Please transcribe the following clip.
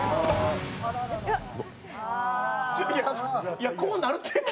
いや、こうなるって。